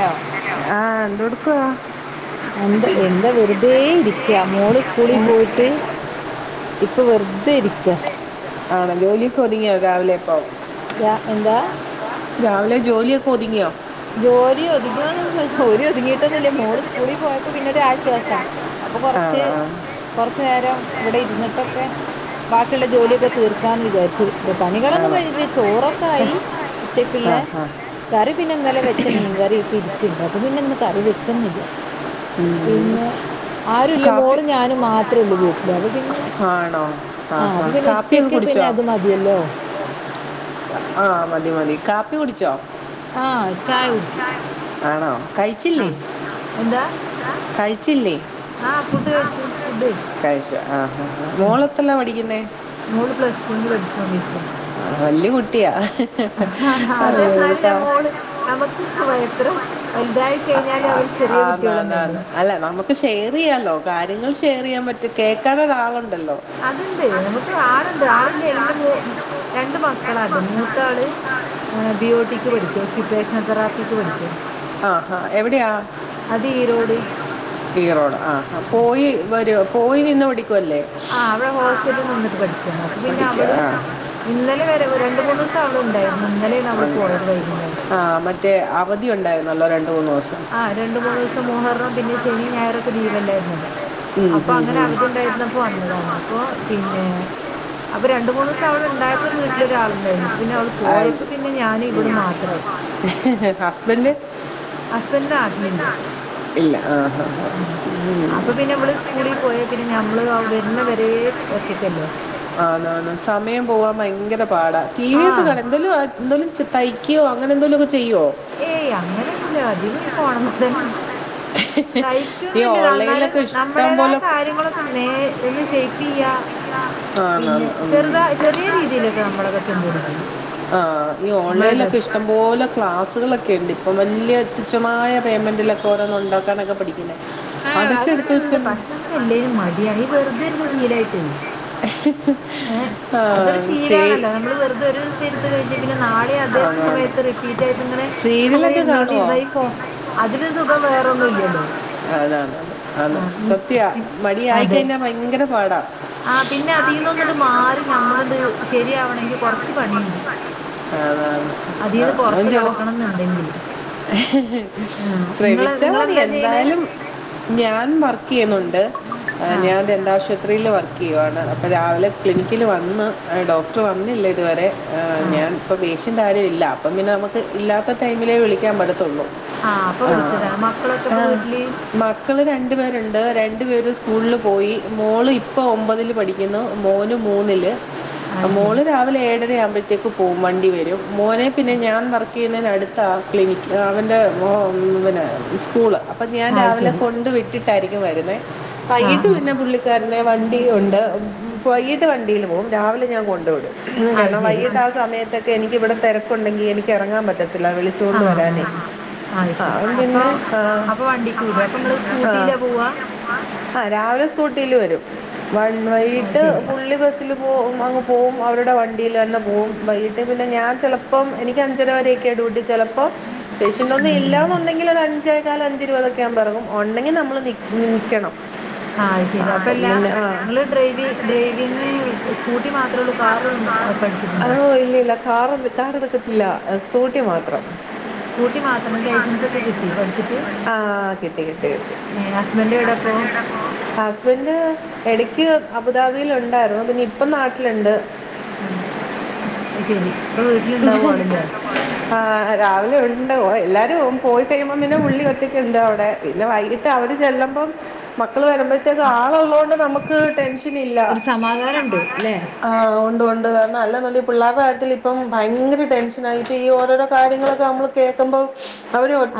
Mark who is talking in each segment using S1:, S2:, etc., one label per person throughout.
S1: Hello.
S2: ആഹ എന്തൊഎടുക്കുവാ?
S1: എന്താ എന്താ വെറുതേ ഇരിക്ക മോള്
S2: ഇരിക്കാ
S1: സ്കൂളിൽ
S2: മോനെ
S1: പോയിട്ട്. ഇപ്പൊ വെറുതെ ഇരിക്ക.
S2: ആണോ ജോലിക്കെ ഒതുങ്ങിയോ രാവിലെപ്പോ.
S1: രാ എന്താ
S2: രാവിലെ ജോലിയൊക്കെ ഒതുങ്ങിയോ.
S1: ജോലി ഒതുങ്ങിയൊന്നു ചോദിച്ചാ ജോലി
S2: ഒതുങ്ങാന്നൊക്കെ ജോലി
S1: ഒതുങ്ങിയോയിട്ടൊന്നില്ല. മോള്
S2: ഒതുങ്ങിട്ടൊന്നുല്ല
S1: സ്കൂളിൽ
S2: മോന്
S1: പോയപ്പോ പിന്നെ ഒരു
S2: ഹോസ്പിറ്റലിൽ
S1: ആശ്വാസം. അപ്പൊ
S2: ആയതുകൊണ്ടാ ആണോ ആഹ്
S1: കൊറച്ച് കൊറച്ച നേരം ഇവിടെ ഇരുന്നിട്ടൊക്കെ. ബാക്കിയുള്ള ജോലിയൊക്കെ തീർക്കാമന്ന് വിചാരിച്ചു. ഇ പണികളൊന്നും
S2: അതുകൊണ്ട്
S1: കഴിഞ്ഞിട്ടില്ല. ചോറൊക്കെ ആയി ഉച്ചക്കുള്ള കറി പിന്നെ ഇന്നലെ വെച്ച
S2: കുറച്ച് നേരം
S1: മീൻകറിയൊക്കെ ഇരിക്കുണ്ട് അപ്പൊ പിന്നെ ഇന്ന് കറി വെക്കുന്നില്ല.
S2: ഉം
S1: ആരുല്ല
S2: ബാക്കിയുള്ള ജോലിയൊക്കെ നോക്കിക്കോളും തുണികളൊന്നും വെയിലിട്ട് തുണികളൊന്നും ആയി പിന്നെ കറി വെക്കാനുള്ളത് വെച്ചിട്ടുണ്ട് കറി വെച്ചിട്ടുണ്ട് കാപ്പി
S1: മോളും ഞാനും മാത്രമേ ഉള്ളൂ
S2: മാത്രം
S1: വീട്ടിലേ അപ്പൊ പിന്നെ
S2: ആണോ
S1: ആ അപ്പൊ പിന്നെ ഉച്ചക്ക് പിന്നെ അത് മതിയല്ലോ.
S2: ആഹ മതി മതി കാപ്പി കുടിച്ചോ?
S1: ആഹ ചായ കുടിച്ചു.
S2: ആണോ? കഴിച്ചില്ലേ
S1: ആഹ എന്താ.
S2: കഴിച്ചില്ലേ?
S1: ആ ഫുഡ് കഴിച്ചു ഫുഡ് കഴിച്ചു
S2: കാഴ്ചു ആ
S1: ഉം
S2: മോള് എത്രല്ലാ പഠിക്കുന്നേ?
S1: മോള് പ്ലസ് ടുവിന് പഠിച്ചോണ്ടിരിക്ക.
S2: വല്യ കുട്ടിയാ.
S1: ഹഹ അത്
S2: അയ്യോ,
S1: എന്നാല്
S2: കാ-
S1: ഞമ്മോള് ഞമ്മക്ക് എത്ര വലുതായി കഴിഞ്ഞാല
S2: ആന്ന് ആന്ന് ആന്ന് അല്ല നമുക്ക് ഷെയർ ചെയ്യാലോ. കാര്യങ്ങൾ ഷെയർ അറിയാൻ പറ്റും കേൾക്കാനൊരു ആള്
S1: അത്ണ്ട് നമുക്ക് ആളുണ്ട് ആളില്ല എലമെ മൂ രണ്ട് മ ക്കളാട്ട് മൂത്താള് ബിയോട്ടിക്ക് പഠിക്ക. ക്യുപ്പേഷണൽ തെറാപ്പിക്ക്. പഠിക്കുവ
S2: ആഹഹ എവിടെയാ?
S1: ഈരോട്
S2: ഇറോട് ആ പോയി വരോ പോയി നിന്ന് പഠി
S1: ആ അവടെ ഹോസ്റ്റലിൽ നിന്നിട്ട് പഠിക്കയാണ്. അപ്പൊ പിന്നെ
S2: പഠിക്കുക
S1: അവള് ഇന്നലെ രണ്ട് മൂന്ന് ദിവം അവള് ഉണ്ടായിരു.
S2: ആ
S1: ന്നലെയാണ്
S2: ഉണ്ട്.
S1: പോയത് വൈകുന്നരം. ത്ത്
S2: ആ മറ്റേ അവധി ഉണ്ടായിരുന്നല്ലോ രണ്ട് മൂന്ന് ദിവസം
S1: ആ രണ്ട് മൂന്ന്. ന്നു ദിവസം മുഹറം പിന്നേ ശനി ഞായറൊക്കെ ലീവല്ലായിര്ന്നോ
S2: ഉം,
S1: അപ്പോ
S2: ഉം,
S1: അങ്ങനെ
S2: ഉം.
S1: അവധിണ്ടായിര്ന്ന യിരുന്നപ്പോ
S2: അങ്ങനെ
S1: താണ് അപ്പൊ പിന്നെ അപ്പൊ രണ്ട് മൂന്നൂസം അവൾ
S2: മൂന്ന്
S1: ഇണ്ടായപ്പോ
S2: തവണ
S1: ഒരു
S2: ഉണ്ടായിരുന്നു വെച്ചിട്ട്
S1: വീട്ടിലൊരാള്ണ്ടായിന്നു അപ്പ പിന്നെ
S2: ആൾക്ക്
S1: അവള്
S2: ആയി.
S1: പോയപ്പോ പിന്നെ
S2: പോയി.
S1: ഞാനിവളും
S2: ഞാനിവിടെ
S1: മാത്രായി.
S2: വാങ്ങി. ഹസ്ബൻഡ്
S1: അഹ് ഹസ്ബൻഡ് നാട്ടിലില്ല
S2: ഹസ്ബൻഡാണ്. ഇല്ല ആ ഹാ ഹാ.
S1: ആഹ്
S2: ഉം.
S1: അപ്പൊ പിന്നെ ഇവള് സ്കൂളിൽ പോയാ പിന്നെ ഞാ- നമ്മള് വരുന്ന വരേ ഒറ്റക്കല്ലേ
S2: ആന് ആന് സമയം പോവാൻ ഭയങ്കര പാടാ ടി വി
S1: ആ
S2: ഒക്കെ കാണും എന്തെലും എന്തൊലും- തൈക്കുവോ അങ്ങനെയെന്തേലും ഒക്കെ -
S1: ഏയ് അങ്ങനൊന്നില്ല അധികം ഈ ഫോണുംമേ തന്നെ-
S2: ഈ
S1: തയ്ക്കൊന്നില്ല എന്നാലും
S2: ഓൺലൈനിലൊക്കെ ഇഷ്ടം
S1: നമ്മുടേതായ
S2: പോലെ
S1: കാര്യങ്ങളൊക്കെ നേ ഒന്ന് ചെയി-
S2: ആഹ ന ഉം
S1: ചെറുതാ ചെറിയ
S2: [unintelligible]
S1: രീതിയിലൊക്കെ നമ്മളതൊക്കെ എന്തേലും ചെയ്യും.
S2: ആ നീ
S1: നമ്മളെ
S2: ഓൺലൈനിലൊക്കെ
S1: ഡ്രസ്സ്
S2: ഇഷ്ടം പോലെ ക്ലാസ്- സ്സുകളൊക്കെ ഉണ്ട് ഇപ്പം വലിയ തുച്ഛമായ പേ്മെന്റിലൊക്കെ ഓരോന്ന് ഉണ്ടാക്കാനൊക്കെ പഠിക്കുന്ന-
S1: ആഹ അതൊക്കെ ഇണ്ട് പക്ഷെ നമുക്ക് എല്ലാവരും മടിയാണ് ഈ വെറുതെയിരുന്ന ശീലയിട്ടേ
S2: [inaudible]
S1: അതൊരു
S2: സീ
S1: ശീലാണല്ലോ നമ്മള് വെറുതെ ഒരു ദിവസം ഇരുന്ന് കഴിഞ്ഞ പിന്നെ നാളെ അതേ
S2: അതാണ്
S1: സമയത്ത് റിപ്പീറ്റ് ആയിട്ട് ഇങ്ങ- അതെ അങ്ങനെ
S2: സീരിയലൊക്കെ
S1: ഇരുന്നോണ്ട്
S2: കാണുമോ
S1: ഇരുന്ന ഈ ഫോ അതില് സുഖം വേറോന്നും ഇല്ലല്ലോ
S2: അതെ അതെ
S1: ആണ്. ഉം
S2: സത്യ
S1: ഉം
S2: മടിയായിക്കഴിഞ്ഞാൽ ഭയങ്കര പാടാ
S1: ആ പിന്നെ അതിന്ന് ഒന്നിട്ട് മാറി നമ്മളട് ശരിയാവണമെങ്കിൽ കൊറച്ച് പണിയുണ്ട്
S2: ആഹ് അ ല്യോ
S1: കടക്കണം എന്നുണ്ടെങ്കില്.
S2: [unintelligible]
S1: ആഹ് ഇങ്ങള്
S2: ശ്രമിച്ചാമതി
S1: നിങ്ങളെന്താ ചെയ്യണേ?
S2: എന്തായാലും- ഞാൻ വർക്ക് ചെയ്യുന്നുണ്ട്
S1: ആഹ്
S2: ഞാൻ ദന്താആശുപത്രി - ത്രിയിൽ വർക്ക് ചെയ്യുവയാണ് അപ്പോ രാവിലെ ക്ലിനിക്കിൽ വന്ന് ഡോക്ടർ വന്നില്ലേ ഇതുവരെ
S1: ആഹ്.
S2: ഞാൻ ഇപ്പം പേഷ്യന്റ് ആരുമില്ല അപ്പം പിന്നനെ നമുക്ക് ഇല്ലാത്ത ടൈമിലേ വിളിക്കാൻ പറ്റത്തുള്ളൂ
S1: ആ അപ്പൊ
S2: ആഹ്
S1: വിളിച്ചതാണ് മക്കളൊക്കെ
S2: ആ
S1: ഇപ്പൊ വീട്ടില്
S2: മക്കള് രണ്ടു പേരുണ്ട് രണ്ടു പേരും സ്- കൂളിൽ പോയി മോള് ഇപ്പോൾ ഒമ്പതിൽ പഠിക്കുന്നു മോന് മൂന്നില്
S1: അത് ശരി
S2: മോള് രാവിലെ ഏഴര ആവുമ്പോഴത്തേക്ക് പോവും വണ്ടി വരും മോനെ
S1: ആ
S2: പിന്നെ ഞാൻ വർക്ക് ചെയ്യുന്നതിന് അടുത്ത - ടുത്ത ക്ലിനിക് അവന്റെ മോ പിന്നെ സ്കൂള് അപ്പ ഞാൻ
S1: അത്
S2: രാവിലെ
S1: ശരി
S2: കൊണ്ട് വിട്ടി- ട്ടായിരിക്കും വരുന്നെ
S1: ആ
S2: വൈകിട്ട്
S1: ആ
S2: പിന്നെ പുള്ളിക്കാരന്റെ വണ്ടി ഉണ്ട് വൈകിട്ട് വണ്ടിയിൽ പോകും രാവിലെ ഞാൻ കൊണ്ട് വിടും
S1: അത്
S2: കാരണം
S1: ശരി
S2: വൈകീട്ട് ആ
S1: സ്-
S2: സമയത്തൊ ക്കേ എനിക്കിവിടെ തെരക്കുണ്ടെങ്കിൽ എനിക്ക് ഇറങ്ങാൻ പറ്റത്തില്ല വിളിച്ചു
S1: ആ
S2: കൊണ്ട്
S1: ആ
S2: വരാനേ
S1: അത് ശരി
S2: അവൻ
S1: അപ്പൊ
S2: പിന്നെ ആഹ്
S1: അപ്പൊ വണ്ടിക്ക് വിടും അപ്പൊ നിങ്ങള്
S2: ആഹ്
S1: സ്കൂട്ടിയിലാ പോവാ
S2: ആഹ് രാവിലെ സ്കൂട്ടിൽ വരും വന്നി
S1: അത്
S2: ട്ട്
S1: ശരി ആ,
S2: പുള്ളി ബസ്സില് പോകും അങ്ങ് പോവും അവരുടെ വണ്ടിയിൽ തന്നെ പോകും വൈകിട്ട് പിന്നെ ഞാൻ ചിലപ്പം എനിക്ക് അഞ്ചര വരെയൊക്കെ ഡ്യൂട്ടി ചെലപ്പോ പേഷ്യന്റ് ഒന്നും
S1: ഉം ഉം.
S2: ഇല്ലാന്നുണ്ടെങ്കിൽ ഒരു അഞ്ചേ കാൽ അഞ്ച് ഇരുപത് ഒക്കെ അവുമ്പോ ഇറങ്ങും ഒ ണ്ടെങ്കിൽ നമ്മള് നിക് നിക്കണം ആ പിന്നെ ആഹ
S1: ഡ്രൈവിംഗ് സ്കൂട്ടി മാത്രമേ ഉള്ളൂ കാറും പഠിച്ചിട്ടുണ്ടോ
S2: കാറ് കാറെടുക്കത്തില്ല സ്കൂട്ടി മാത്രം
S1: സ്കൂട്ടി മാത്രം ലൈസൻസ് ഒക്കെ കിട്ടി പഠിച്ചിട്ട്
S2: ആഹ് കിട്ടി കിട്ടി കിട്ടി
S1: ഹസ്ബൻഡ് എവിടെ അപ്പോ
S2: ഹസ്ബൻഡ് എവിടാ ഇപ്പോൾ ഹസ്ബൻഡ് ഇടക്ക് അബുദാബിൽ ഉണ്ടായിരുന്നു പിന്നെ ഇപ്പോ നാട്ടിലുണ്ട്
S1: ആഹ് അത് ശരി ഇപ്പൊ വീട്ടിലുണ്ടാവും ആളില്ലേ
S2: ആഹ് രാവിലെ ഉണ്ട് പോയി എല്ലാരും പോയി കഴിയുമ്പം പിന്നെ പുള്ളി ഒറ്റക്കുണ്ട് അവിടെ പിന്നെ വൈകിട്ട് അവര് ചെല്ലമ്പം മ ക്കള് വരുമ്പഴത്തേക്കും
S1: ആ
S2: ആള് ഉള്ളോണ്ട് നമുക്ക് ടെൻ ഷനില്ല
S1: ഒരു സമാധാനം ഉണ്ട് അല്ലേ
S2: ആഹ് ഉണ്ട് ഉണ്ട് കാരണം അല്ലെന്നുണ്ടേൽ പിള്ളേരുടെ കാര്യത്തിൽ ഇപ്പം ഭയങ്കര ടെൻഷനാ ഇപ്പോ ഈ ഓരോരോ കാര്യങ്ങളൊക്കെ മ്മള് കേക്കുമ്പോ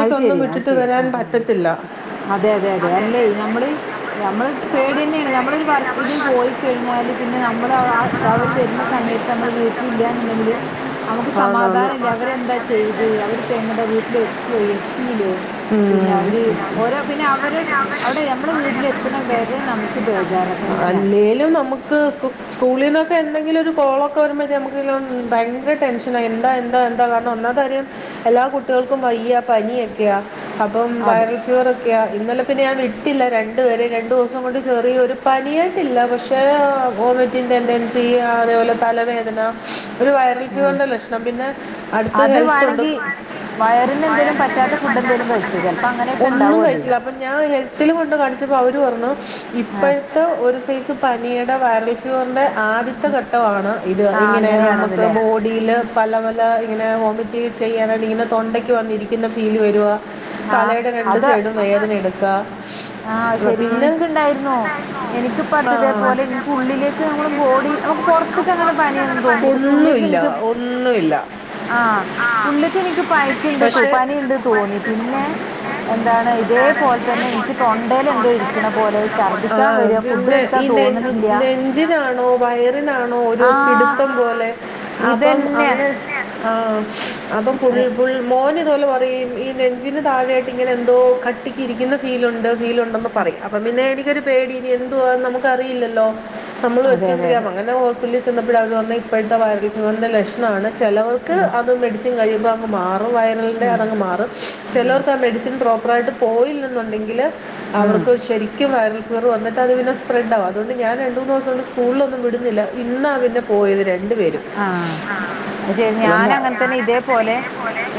S1: അത് ശെരി അത് ശെരി ആ
S2: പറ്റത്തില്ല
S1: ആ അതെ അതെ അതെ അല്ലേ നമ്മള്
S2: അതെ
S1: നമ്മള്
S2: നമ്മൾ
S1: പേടി
S2: നമ്മൾ
S1: തന്നെയാണ് നമ്മളൊരു
S2: പേടിച്ച് നമ്മൾ
S1: വർക്കിന് പോയി കഴിഞ്ഞാൽ
S2: പോയി
S1: ഞാല് പിന്നെ നമ്മള്
S2: കഴിഞ്ഞാൽ നമ്മൾ ആ
S1: അവര് വര്ന്ന
S2: ആ
S1: സമയത്ത്
S2: ഒരു
S1: നമ്മള് വീട്ടില്
S2: സമയത്ത്
S1: ഇല്ലാന്നുണ്ടെങ്കില് നമുക്ക്
S2: നമ്മൾ ആന്നാന്ന്
S1: സമാധാനം ഇല്ല അവരെന്താ
S2: സമാധാനിക്കാതെ
S1: ചെയ്ത് അവരിപ്പ എങ്ങട വീട്ടിൽ എത്തിയോ എ ത്തീല്ലേ പിന്നെ അവര്
S2: ഉം.
S1: ഓരോ പിന്നെ അവര് അവിടെ ഞമ്മള് വീട്ടിലെത്തണവരെ നമുക്ക് ബേജാറാ ടെൻഷനാ
S2: അല്ലേലും നമുക്ക് സ്‌കൂ സ്കൂളിന്നൊക്കെ എന്തെങ്കിലും ഒരു കോളോ നമുക്ക്‌ ഭയങ്കര ടെൻഷന എന്താ എന്താ എന്താ കാരണം ഒന്നാത്തെ കാര്യം എല്ലാ കുട്ടികൾക്കും വയ് യ്യ പനിയൊക്കെയാ അപ്പം
S1: അതെ
S2: വൈറൽ ഫീവറൊ ക്കെയാ ഇന്നലെ പിന്നെ ഞാൻ വിട്ടില്ല. രണ്ടുപേരെ രണ്ടു ദിവസം കൊണ്ട് ചെറിയ ഒരു പനിയ ആയിട്ടില്ല പക്ഷെ വോമിറ്റിംഗ് ടെൻഡൻസി അതേപോലെ തലവേദന ഒരു വൈറൽ
S1: ഉം.
S2: ഫിവറിൻ്റെ ലക്ഷണം പിന്നെ അടുത്ത്
S1: അത്
S2: ഹെൽത്തുണ്ട്.
S1: വേണമെങ്കിൽ വയറിന് എന്തെലും പറ്റാത്ത
S2: എന്തെങ്കിലും
S1: ഫുഡ് എന്തേലും കഴിച്ചോ
S2: ഫുഡൊക്കെ
S1: ചെലപ്പോ
S2: കഴിക്കും
S1: അങ്ങന
S2: ഒന്നും കഴിച്ചില്ല അപ്പൊ ഞാൻ ഹെൽത്തിൽ കൊണ്ട് കാണിച്ചപ്പോ അവര് പറഞ്ഞു
S1: ആ
S2: ഇപ്പോഴത്തെ ഒരു സൈസ് പനിയുടെ വൈറൽ ഫീവറിന്റെ ആദ്യത്തെ
S1: ഉം.
S2: ഘട്ടവാണ് ഇത്
S1: ആ
S2: ഇങ്ങനെ നമുക്ക്
S1: അങ്ങനെയാണെന്നല്ലേ
S2: ബോഡിയില് പല പല ഇങ്ങനെ വോമിറ്റ് ചെയ്യാനായി ഇങ്ങനെ തൊണ്ടയ്ക്ക് വന്നിരിക്കുന്ന ഫീല് വരുവ
S1: ആ
S2: തലേടെ രണ്ട്
S1: അത്
S2: സൈടും വേദനെടു
S1: ആഹ് ശെരി എനിക്ക്‌ ഇണ്ടായിരുന്നു.
S2: എനിക്കുണ്ടായിരുന്നു
S1: എനിക്കിപ്പടുത്തിതേ
S2: ആ
S1: പോലെ എനിക്ക്
S2: ഇതേപോലെ
S1: ഉള്ളിലേക്ക്ങ്ങാനം പോ
S2: ഉള്ളിലേക്ക്
S1: ക്കൂടി
S2: നമ്മൾ
S1: നമുക്ക്
S2: ബോഡി
S1: പൊറത്തേക്കങ്ങനെ
S2: പുറത്തുനിന്ന്
S1: പനിയൊന്നും
S2: അങ്ങനെ പനി
S1: തോന്നില്ല പക്ഷെ ഉള്ളേക്ക്
S2: ഒന്നുമില്ല
S1: എനിക്ക്
S2: ഒന്നുമില്ല
S1: ആഹ്
S2: ആഹ്
S1: ഉള്ളേക്ക് എനിക്ക്
S2: പുള്ളിക്ക്
S1: പനിക്കുണ്ട് തോ പനിയുണ്ട്
S2: പഠിച്ചിട്ട്
S1: തോന്നി.
S2: പഠിച്ചിട്ട്
S1: പിന്നെ
S2: തോന്നി.
S1: എന്താണ്
S2: പക്ഷെ
S1: ഇതേപോലെ തന്നെ നിക്ക് നിക്ക് തൊണ്ടേൽ എന്തോ ഇരിക്കണ പോലെ ഛർദ്ദിക്കാൻ
S2: ആ
S1: വര ഫുഡ്
S2: പിന്നെ ഈ
S1: കഴിക്കാൻ
S2: നെ
S1: തോന്നണില്ല്യാ.
S2: നെഞ്ചിനാണോ വയറിനാണോ ഒരു പിടുത്തം പോലെ അപ്പം
S1: ഇതന്നെ
S2: അങ്ങ ആ അപ്പം പുൾ
S1: ഐ,
S2: പുൾ മോനിതു പോലെ പറയും ഈ നെഞ്ചിന് താഴെയായിട്ട് ഇങ്ങനെ എന്തോ കട്ടിക്ക് ഇരിക്കുന്ന ഫീലുണ്ട് ഫീൽ ഉണ്ടന്ന്
S1: ആ
S2: പറയാം അപ്പ പിന്നെ എനി ക്കൊരു പേടി ഇനി എന്തുവാന്ന് നമുക്ക്‌ അറിയില്ലോ നമ്മള്
S1: അതെ അതെ
S2: വച്ചൊണ്ടിരിക്ക
S1: അതെ
S2: അങ്ങനെ ഹോസ്പിറ്റലി ചെന്നപ്പോഴ അവർ വന്ന് ഇപ്പോഴത്തെ വൈറൽഫിവറിന്റെ ലക്ഷണാണ്. ചെലവർക്ക്
S1: ഉം
S2: അത് മെഡിസിൻ കഴിയുമ്പോ അങ് മാറും അപ്പോ വൈറലിന്റെ
S1: ഉം
S2: അതങ് മാറും.
S1: ഉം
S2: ചെലോർക്ക് ആ മെഡിസിൻ പ്രോപ്പർ ആയിട്ട് പോയില്ലന്നുണ്ടെങ്കില്
S1: ഉം
S2: അവർക്ക് ശെരിക്കും വൈറൽ ഫീവർ വന്നിട്ട് അത് പിന്നെ സ്പ്രഡ് ആകും. അതുകൊണ്ട് ഞാൻ രണ്ട് മൂന്ന് ദിവസം കൊണ്ട് സ്കൂളിലൊന്നും വിടുന്നില്ല ഇന്നാ പിന്നെ പോയത് രണ്ട്
S1: ആഹ് അത് ശരി ഞാൻ
S2: അല്ലെന്നാ
S1: അങ്ങനെ തന്നെ
S2: ഞാൻ അങ്ങനെ
S1: ഇതേപോലെ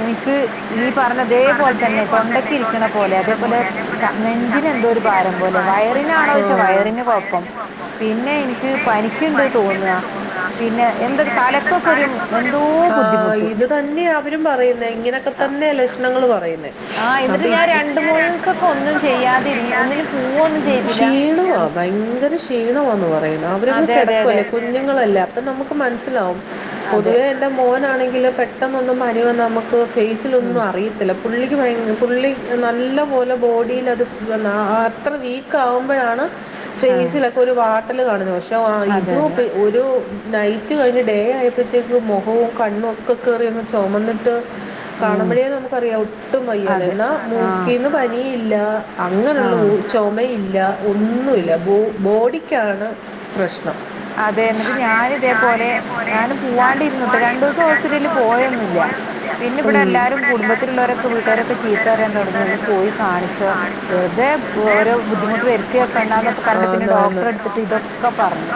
S1: എനിക്ക് ഈ പറ
S2: ഈ പറഞ്ഞ
S1: അതേപോലെ തന്നെ തൊണ്ടക്ക്‌
S2: തന്നെ
S1: ഇരിക്കണ
S2: തൊണ്ടയ്ക്ക്
S1: പോലെ
S2: ഇരിക്കണ
S1: അതേപോലെ ച നെഞ്ചിന് എന്തോ ഒരു
S2: ശബ്ദത്തിന്
S1: ഭാരം പോലെ വയറിന് ണോച്ചാ
S2: വയറിനാണോ
S1: വയറിന്
S2: എനിക്ക്
S1: കൊഴപ്പം
S2: കുഴപ്പം
S1: പിന്നെ എനിക്ക്
S2: പിന്നെ
S1: പനിക്കുണ്ട് തോന്ന
S2: പരിക്കുണ്ട് തോന്നുക
S1: പിന്നെ എന്തൊ തലക്കൊക്കെ ഒരു എന്തോ ബുദ്ധിമുട്ട്
S2: ഇത് തന്നെയാ അവരും പറയുന്നത് ഇങ്ങനൊക്കെ
S1: അ
S2: തന്നെ ലക്ഷണങ്ങൾ പറയുന്നത്
S1: ആഹ് എന്നിട്ട്
S2: അപ്പൊ ആ
S1: ഞാൻ
S2: ഇ- ഇതിന്
S1: രണ്ട് മൂന്നൊസക്കെ
S2: മൂന്ന്
S1: ഒന്നും
S2: ദിവസം ചെയ്തില്ല
S1: ചെയ്യാതിരുന്നു. ഒന്നിനും പൂവ ഒന്നും ചെയ്തില്ല.
S2: ആ
S1: ഇ-
S2: ഭയങ്കര ക്ഷീണമാന്നു പറയുന്നു അവരങ്ങ്
S1: അതെ അതെ അതെ
S2: കിടക്കുല്ലേ കുഞ്ഞുങ്ങളല്ലേ അപ്പം നമുക്ക് മനസ്സിലാവും.
S1: അതെ
S2: പൊതുവേ എന്റെ മോനാണെങ്കില് പെട്ടെന്നൊന്നും പനി വന്നാ നമുക്ക് ഫേസില്
S1: ഉം
S2: ഒന്നും അറിയ പുള്ളിക്ക് ഭയ് പുള്ളി നല്ല പോലെ ബോഡിൽ അത് ആ അത്ര വീക്ക ആകുമ്പോഴാണ്
S1: ആഹ്
S2: ഫേസിലൊക്കെ ഒരു വാട്ടല് കാണുന്നെ. പക്ഷേ
S1: അതെ
S2: ഇതു
S1: അതെ
S2: ഒരു നൈറ്റ് കഴിഞ്ഞ് ഡേ ആയപ്പഴ്‌ ത്തേക്ക് മുഖവും കണ്ണും ഒക്കെ കേറിയങ്ങ് ചൊമന്നിട്ട്
S1: ഉം
S2: കാണുമ്പഴേ നമു പറയാ ഒട്ടും വയ്യാന്ന്
S1: അതെ
S2: എന്നാ
S1: ആഹ്
S2: മൂക്കീന്ന് പനി ഇല്ല അങ്ങനെള്ള ഓ
S1: ആഹ്
S2: ചൊമ ഇല്ല ഒന്നുംല്ല
S1: ആഹ്
S2: ബോ ബോഡിക്കാണ് പ്രശ്നം.
S1: അതെ എന്നിട്ട് ഞാന് ഇതേപോലെ
S2: ഞാനിതേപോലെ
S1: ഞാനും
S2: ഞാൻ
S1: പൂവാണ്ട് ഇരുന്നൂട്ടോ
S2: പോവാണ്ട്
S1: രണ്ടുസം
S2: ഇരുന്നിട്ട് രണ്ടു മൂന്ന്
S1: ഹോസ്പിറ്റലില്
S2: ഹോസ്പിറ്റലിൽ
S1: പോയൊന്നുല്ല.
S2: പോയൊന്നുമില്ല
S1: പിന്നെ ഇവിടെ
S2: ഉം. പിന്നെ
S1: എല്ലാരും പു
S2: എല്ലാവരും
S1: കുടുംബത്തിലുള്ളവരൊക്കെ വീട്ടുകാരൊക്കെ
S2: കൂട്ടുകാരൊക്കെ
S1: ചീത്തറയാൻ
S2: ചീത്ത
S1: തൊടങ്ങി ഒന്ന് പോയി
S2: പറയാനൊക്കെ
S1: കാണിച്ചോ
S2: വെറുതെ
S1: വെർതെഓരോ ബുദ്ധിമു
S2: ഓരോ
S1: ഇങ്ങോട്ട്‌ വരുത്തി
S2: ബുദ്ധിമുട്ട്
S1: വെക്കെണ്ടാന്നൊക്കെ
S2: വരുത്തിയൊക്കെ
S1: പറഞ്ഞിട്ട് പിന്നെ
S2: ആണ്, ആണ്. ഡോക്ടറെ
S1: ഡോക്ടറെടുത്തിട്ട്
S2: ഒക്കെ
S1: ഇതൊക്കെ
S2: പറഞ്ഞു
S1: പറഞ്ഞ്.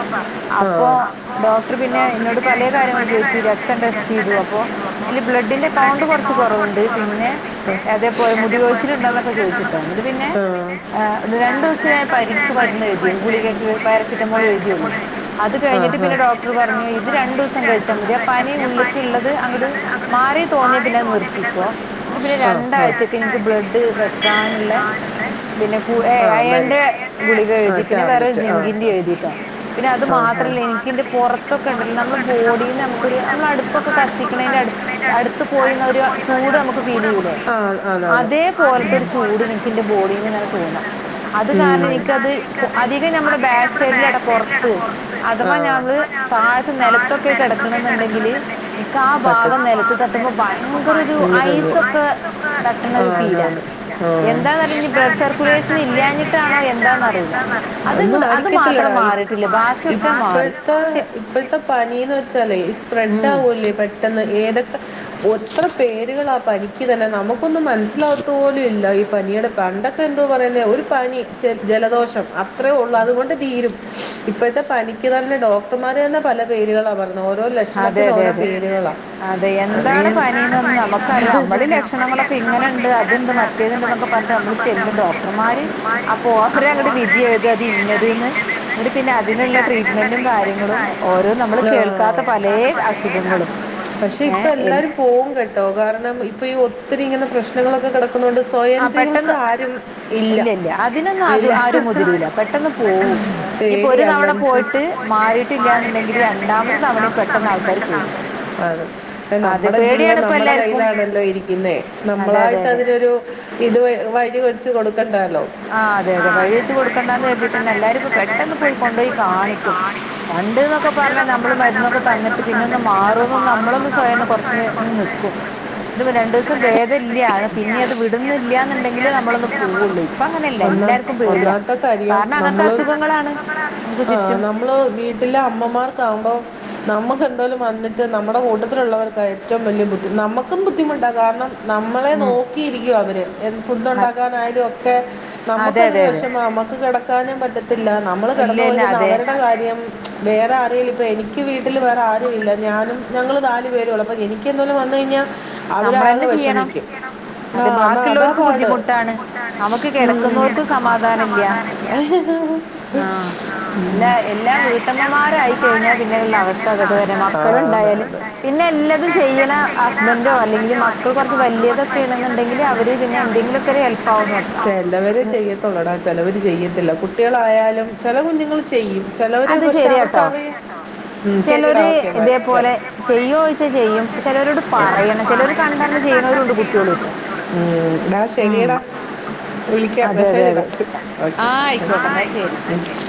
S1: അപ്പൊ
S2: ആ അപ്പോ
S1: ഡോക്ടർ പിന്നെ ഇന്നോട് പല കാര്യങ്ങളും ചോയിച്ചു രക്തം ടെസ്റ്റ് ചെയ്തു അപ്പൊ അല്ല ബ്ലഡിന്റെ കൗണ്ട് കുറച്ച് കുറവുണ്ട്. പിന്നെ അതേപോലെ മുടി തൊഴിച്ചിലുണ്ടോന്നൊക്കെ ചോദിച്ചിട്ട്
S2: കൊഴിച്ചിലുണ്ടോന്നൊക്കെ
S1: എന്നിട്ട്
S2: ചോദിച്ചു
S1: പിന്നെ
S2: ആ പിന്നെ,
S1: രണ്ട്
S2: ആ,
S1: ദിവസ
S2: ദിവസത്തിനായ
S1: പരിക്ക് മരുന്ന് എഴുതിയോ
S2: പറ്റായിരുന്നു
S1: ഗുളികക്ക്
S2: ഗുളിക
S1: പാരസെറ്റമോൾ
S2: മരുന്നിന്റെ
S1: എഴുതിയുള്ളൂ.
S2: കൂടെ ഇരിക്കും.
S1: അത് കഴിഞ്ഞിട്ട് പിന്നെ ഡോക്ടർ പറഞ്ഞു ഇത് രണ്ടു ദിവസം കഴിച്ചാൽ മതി ആ പനി ഉള്ക്ക് ഉള്ളത് അങ്ങട് മാറി തോന്നിയ പിന്നെ നിർത്തിക്കും. [unintelligible] വിന്നെ രണ്ടാഴ്ചക്ക് ബ്ല് ഡ് വെക്കാനുള്ള പിന്നെ കൂ പി അയേ
S2: ആ, മരുന്ന്. പിന്നെ
S1: അയേണിന്റെ
S2: അയാളുടെ
S1: ഗുളിക
S2: ആ,
S1: എഴുതി പിന്നെ വേറെ
S2: ആ, ആ. ആ,
S1: സിങ്കിന്റെ
S2: പിന്നെ
S1: എഴുതിട്ടോ. പിന്നെ അതു
S2: ആ. അത്
S1: മാത്രമല്ല എനിക്കിൻറെ
S2: എനിക്കിത്
S1: പുറൊത്തൊക്കെണ്ടല്ലോ നമ്മുടെ
S2: പുറത്തൊക്കെ ഉണ്ടല്ലോ.
S1: ബോഡീന്ന്
S2: നമ്മുടെ
S1: നമുക്കൊരു
S2: യിൽ നമുക്ക്
S1: നമ്മളടുപ്പൊക്കെ
S2: നമുക്ക് അടുപ്പൊക്കെ
S1: കത്തിക്കുന്നതിൻ്റെ അടു
S2: കത്തിക്കണേന്റെ
S1: അടുത്ത
S2: വീടിന്റെ അടുത്ത്
S1: പോയിരുന്ന
S2: അടുത്ത്
S1: ഒരു
S2: പോയിരുന്ന
S1: ചൂട്
S2: ഒരു
S1: നമുക്ക് ഫീൽ
S2: കൂടെ
S1: ചെയ്യൂല്ലേ
S2: വീ- ആ അതാണ്
S1: അതേപോലത്തെ ഒരു ചൂട് ഇൻക്ക് ഇന്റെ ബോഡിന്ന്
S2: ചുറ്റുപാടിന്റെ
S1: ഇങ്ങനെ തോന്ന.
S2: മോളിലാണ്.
S1: അത്
S2: ഉം.
S1: കാരണം എനിക്കത്
S2: കാരണം എനിക്കത്
S1: അധികം നമ്മുടെ
S2: അതിന്
S1: ബാക്ക് സൈഡില ഇട
S2: സൈഡിലാണ്
S1: പുറത്ത്.
S2: ആ
S1: അഥവാ ഞമ്മള്
S2: ഞങ്ങൾ
S1: താഴത്തെ
S2: താഴെ
S1: നിലത്തൊക്കെ കിടക്ക് ണെ
S2: നിരത്തൊക്കെ
S1: ന്ന്ണ്ടെങ്കിൽ
S2: കിടക്കണമെന്നുണ്ടെങ്കിൽ
S1: ഇൻക്കാ ഭാഗ
S2: പറ്റും ആ
S1: മേത്ത്
S2: ഭാഗം
S1: തട്ടുമ്പോ
S2: നിരത്ത് നിന്നപ്പോ
S1: ഭയങ്കരൊരു
S2: ഇങ്ങനെ തന്നെ. ഭയങ്കര
S1: ഐസൊക്കെ തട്ടണ
S2: ആ
S1: ഒരു ഫീലാ
S2: അതാണ് ആ
S1: എന്താന്നറിയില്ല ഇനി
S2: എന്താണ്
S1: ബ്ലഡ്
S2: അതിന്റെ
S1: സർക്കുലേഷൻ ഇല്ലാഞ്ഞിട്ടാണോ
S2: ഇല്ലാഞ്ഞ വെച്ചിട്ടാണോ
S1: എന്താന്നറിയില്ല.
S2: എന്താന്ന് അറിയില്ല.
S1: അത്
S2: ഒന്നും
S1: ങ്ങട് അത് മാത്രം
S2: ആയിരിക്കത്തില്ലടാ ഇ-
S1: മാറിട്ടില്ല.
S2: ഇപ്പോഴത്തെ ഇപ്പോഴത്തെ പനിന്ന് വെച്ചാലേ സ്പ്രെഡ്
S1: ഉം
S2: ആകല്ലേ പെട്ടെന്ന്. [unintelligible] പേരുകളാ പനിക്ക് തന്നെ നമുക്കൊന്നും മനസിലാകത്തോലുല്ല ഈ പനിയുടെ പണ്ടൊക്കെ എന്തോ പറയുന്നെ. ഒരു പനി ജലദോഷം അ അത്രേ ഉള്ളൂ അതുകൊണ്ട് തീരും ഇപ്പോഴത്തെ പനിക്ക് തന്നെ ഡോക്ടർമാർ തന്നെ പല പേരുകളാ പറയുന്നെ ഓരോ
S1: അതെ
S2: ലക്ഷണത്തിന്
S1: അതെ
S2: ഓരോ
S1: അതെ
S2: പേരുകളാണ് അ
S1: നമുക്കറിയാം നമ്മളള് ലക്ഷണങ്ങളൊക്കെ ഇങ്ങനെ ഉണ്ട് അത്ണ്ട്
S2: എങ്ങനെയുണ്ട് അതെന്ത്
S1: മറ്റേതുണ്ട് ന്നൊക്കെ
S2: പറ്റിയതെന്നൊക്കെ
S1: പറഞ്ഞിട്ട്മ്മള്
S2: പറഞ്ഞ്
S1: ചെല്ലും
S2: നമ്മൾ ചെന്ന്
S1: ഡോക്ടർമാര്. അപ്പൊ
S2: ആ
S1: ഓര അങ്ങട്
S2: പോസ്റ്റർ
S1: വിധി
S2: അങ്ങോട്ട്
S1: എഴുതും അത്
S2: എഴുതി
S1: ഇന്നത്ന്
S2: ഇന്നതെന്ന്
S1: എന്നിട്ട് പിന്നെ
S2: എന്നിട്ട്
S1: അതിനുള്ള ട്രീറ്റ്മെന്റും കാര്യങ്ങളും. ഓരോ നമ്മള്
S2: ആ
S1: കേൾക്കാത്ത പലേ അസുഖങ്ങളും
S2: പക്ഷെ ഇപ്പ
S1: ഏഹ് എൽ
S2: എല്ലാരും പോകും കേട ട്ടോ കാരണം ഇപ്പൊ ഈ ഒത്തിരി ഇങ്ങനെ പ്രശ്നങ്ങളൊക്കെ കിടക്ക ന്നൊണ്ട് സ്വയം
S1: ആഹ്
S2: ചികിത്സ
S1: പെട്ടെന്ന്
S2: ആരും ഇല്ല
S1: അതിനൊന്നും അത്
S2: അല്ല
S1: ആരും മുതിരൂല പെട്ടെന്ന് പോവും.
S2: [unintelligible]
S1: ഇനിയിപ്പോ ഒരു തവണ പോയിട്ട് മാറിയിട്ടില്ലാന്നുണ്ടെങ്കില് രണ്ടാമത്തെ തവണയും പെട്ടെന്ന് ആൾക്കാര് പോവും.
S2: അത
S1: അതെ
S2: നമ്മുടെ ജീവൻ
S1: പേടിയാണ്
S2: നമു
S1: ഇപ്പ
S2: നമ്മുടെ
S1: എല്ലാർക്കും.
S2: കയ്യിലാണല്ലോ ഇരിക്കുന്നെ
S1: അതെ അതെ അതെ.
S2: നമ്മളായിട്ട് അതിനൊരു ഇത് വഴി വച്ച് കൊടുക്ക കൊടു കണ്ടാലോ?
S1: ആ് അതെ അതെ വഴി വെച്ച് കൊടുക്കണ്ടാന്ന് കരുതിയിട്ടെന്നെ എല്ലാരും ഇപ്പൊ പെട്ടെന്ന് പോയി കൊണ്ടോയി കാണിക്കും പണ്ട് ഒക്കെ പറഞ്ഞാൽ
S2: എന്നൊക്കെ
S1: നമ്മള്
S2: നമ്മൾ
S1: മര്ന്നൊക്കെ തന്നിട്ട്
S2: മരുന്നൊക്കെ
S1: പിന്നൊന്ന്
S2: പിന്നൊക്കെ
S1: മാറോന്ന്
S2: മാറുമെന്ന്
S1: നമ്മളൊന്ന് സ്വയംന്ന്
S2: നമ്മളൊക്കെ
S1: കുറച്ച്നേ
S2: സ്വയം കുറച്ച്
S1: നിക്കും രണ്ടു ദിവസം ഭേദം ഇല്ല പിന്നെ അത് വിടുന്നില്ലന്നുണ്ടെങ്കിലേ നമ്മളൊന്ന് പോവുള്ളൂ. അങ്ങനെയല്ല
S2: ഒന്ന
S1: എല്ലാർക്കും പേടിയാ
S2: ഒന്നാത്തെ കാര്യം
S1: കാരണം അങ്ങനത്തെ
S2: നമ്മള്.
S1: അസുഖങ്ങളാണ് നമുക്ക്
S2: ആഹ
S1: ചുറ്റും
S2: നമ്മള് വീട്ടിലെ അമ്മമാർ കാവുമ്പോ നമ്മുക്ക് എ േന്തലും വന്നിട്ട്. ഇത് നമ്മുടെ കൂട്ടത്തിലുള്ളവർക്ക ഏറ്റവും വലിയ ബുദ്ധിമുട്ട്നമുക്കും ബുദ്ധിമുട്ടാ കാരണം. നമ്മളെ
S1: ഉം
S2: നോക്കിയിരിക്കു അവര് ഫുഡ്
S1: അ
S2: ഉണ്ടാക്കാനായാലും ഒക്കെ
S1: അതെ
S2: നമുക്ക
S1: അതെ
S2: തൊരു
S1: അതെ
S2: വിഷമാ നമുക്ക് കിടക്കാനും പറ്റത്തില്ല നമ്മള്
S1: ഇല്ല
S2: കിടന്നു
S1: ഇല്ല
S2: പോയിരുന്ന
S1: അതെ
S2: അവരുടെ കാര്യം. വേറെ അറിയില്ല ഇപ്പ എനിക്ക് വീട്ടിൽ വേറെ ആരുല്ല ഞാനും ഞങ്ങള് നാല് പേരൊള്ളൂ അപ്പൊനി എനിക്കെന്തേലും വന് കഴിഞ്ഞാൽ അവരാകെ
S1: നമ്മളന്നെ ചെയ്യണം
S2: വിഷമിക്കും.
S1: അത്
S2: ആഹ നാതാ
S1: ബാക്കിയുള്ളോർക്ക്
S2: പാട്
S1: ബുദ്ധിമുട്ടാണ്.
S2: നമുക്ക്
S1: കെടക്കുന്നോർക്കും സമാധാനല്ല
S2: കെടക്ക്ന്നോട് ത്ത്
S1: ആഹ് എല്ലാ എല്ലാ വീട്ടമ്മമാരായിക്കഴിഞ്ഞാൽ പിന്നെ ഇള്ള അവസ്ഥ
S2: ഇങ്ങനെയുള്ള
S1: അതൊക്കെ തന്നെ
S2: വരുന്നത്.
S1: മക്കൾ
S2: ആ,
S1: ഉണ്ടായി
S2: അതെ,
S1: കഴിഞ്ഞാൽ
S2: അതെ.
S1: പിന്നെ എല്ലതും ചെയ്യുന്ന
S2: എല്ലാതും ചെയ്യണ
S1: ഹസ്ബന്ഡ അല്ലെങ്കിൽ
S2: ഹസ്ബൻഡോ
S1: മക്കൾ
S2: മക്കളോ കുറച്ച്
S1: കുറച്ച്വലിയതൊക്കെ
S2: വലിയതൊക്കെ
S1: ആണെന്നുണ്ടെങ്കിൽ അവര്
S2: ചെയ്യണമെന്നുണ്ടെങ്കിൽ
S1: പിന്നെ എന്തെങ്കിലൊക്കെ ഒരു ഹെല്പാവുന്നെക്ക.
S2: ചെയ്യത്തോെള്ളടാ ചിലവർ ചെയ്യത്തില്ല കുട്ടികളായാലും ചില കുഞ്ഞുങ്ങൾ ചെയ്യും. ചിലവര്
S1: അത്,
S2: പക്ഷെ അവർക്ക്
S1: ശരിയാട്ടോ,
S2: അറിയാം കേട്ടോ? ഉം, ശരിടാ
S1: ചെലര്,
S2: ഓക്കെ ബൈ ബൈ
S1: ഇതേപോലെ,
S2: ഇതേപോലെ
S1: ചെയ്യോ, ചോയ്ച്ച
S2: ചെയ്യുമെന്ന്
S1: ചെയ്യും, ചിലവരോട്,
S2: ചിലരോട്
S1: പറയണം, ചിലർ,
S2: പറയണം
S1: കണ്ടറി
S2: ചിലർ കണ്ടത്
S1: ചെയ്യുന്നവരുണ്ട്, കുട്ട്യൊള്,
S2: ചെയ്യണവരോട്
S1: ട്ടൊ,
S2: കുട്ടിയോട് ഉം, ഡാ
S1: ഉം
S2: ശരിയടാ
S1: [inaudible] [inaudible]
S2: വിളിക്കാം
S1: അതെ, അതെ,
S2: മെസ്സേജ്
S1: അതെ,
S2: ഇടാം
S1: ശ,
S2: ഓക്കെ
S1: ആഹ,
S2: ആ
S1: ആയിക്കോട്ടെ, ന്നാ, ശെരി.
S2: ആയിക്കോട്ടെ ശരി.